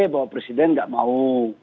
bahwa presiden nggak mau